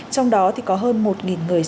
trong đó có hơn một người xét nghiệm dương tính